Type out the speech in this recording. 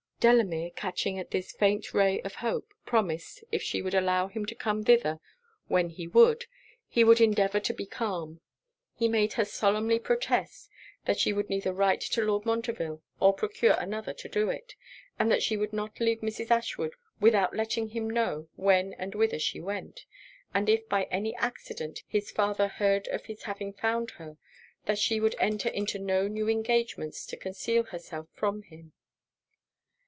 Delamere, catching at this faint ray of hope, promised, if she would allow him to come thither when he would, he would endeavour to be calm. He made her solemnly protest that she would neither write to Lord Montreville, or procure another to do it; and that she would not leave Mrs. Ashwood without letting him know when and whither she went; and if by any accident his father heard of his having found her, that she would enter into no new engagements to conceal herself from him.